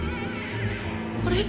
あれ？